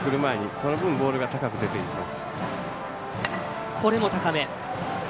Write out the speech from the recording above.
その分ボールが高く出ていきます。